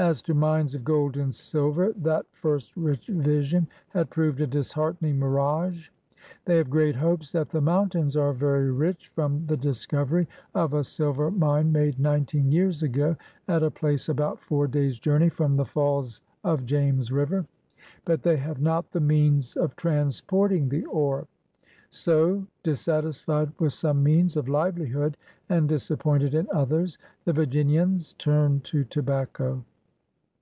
As to mines of gold and silver, that first rich vision had proved a disheartening mirage. "They have great hopes that the moimtains are very rich, from the discovery of a silver mine made nineteen years ago, at a place about four days' journey from the falls of James river; but they 110 , PIONEERS OF THE OLD SOUTH have not the means of transporting the ore. '' So> dissatisfied with some means of livelihood and disappointed in others, the Virginians turned to tobacco.